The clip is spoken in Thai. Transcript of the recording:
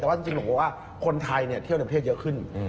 แต่ว่าจริงหนูบอกว่าคนไทยเที่ยวในประเทศเยอะขึ้น